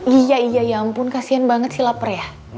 iya iya ya ampun kasian banget sih lapar ya